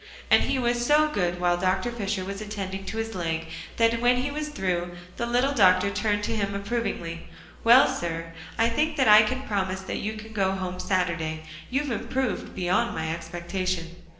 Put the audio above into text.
And he was so good while Dr. Fisher was attending to his leg that when he was through, the little doctor turned to him approvingly: "Well, sir, I think that I can promise that you can go home Saturday. You've improved beyond my expectation."